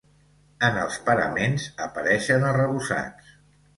En els paraments apareixen arrebossats.